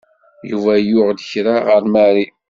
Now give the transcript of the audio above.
Yuba yuɣ-d kra ɣer Mary.